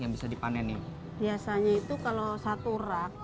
biasanya itu kalau satu rak